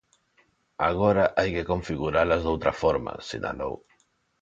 "Agora hai que configuralas doutra forma", sinalou.